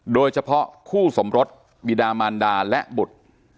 โดยเฉพาะคู่สมรสบิดามันดาและบุตร